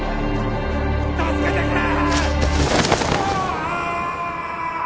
助けてくれ！